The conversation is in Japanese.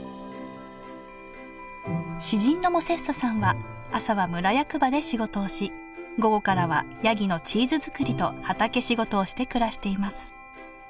詩人のモセッソさんは朝は村役場で仕事をし午後からはヤギのチーズづくりと畑仕事をして暮らしています。